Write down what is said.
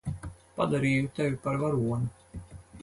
Padarīju tevi par varoni.